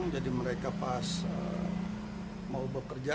jadi mereka pas mau bekerja